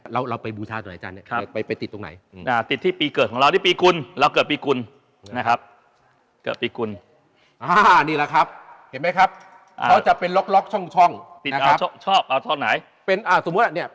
เราทานมาท้ายแผ่นแบบนี้